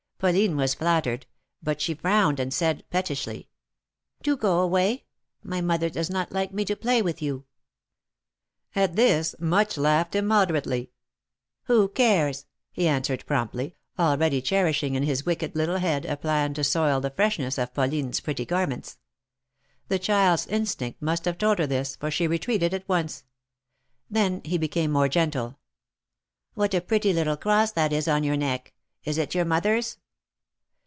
Pauline was flattered, but she frowned, and said, pettishly : Do go away. My mother does not like me to play with you." At this Much laiighed immoderately. '' Who cares ?" he answered promptly, already cherish ing in his wicked little head a plan to soil the freshness of Pauline's pretty garments. The child's instinct must have told her this, for she retreated at once. Then he became more gentle. What a pretty little cross that is on your neck ! Is it your mother's?"